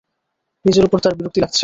নিজের ওপর তাঁর বিরক্তি লাগছে।